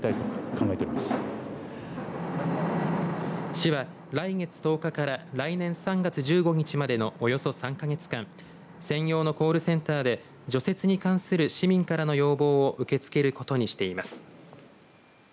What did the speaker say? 市は、来月１０日から来年３月１５日までのおよそ３か月間専用のコールセンターで除雪に関する市民からの要望を受け付けることにしています。